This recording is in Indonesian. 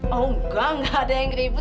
oh enggak enggak ada yang ribut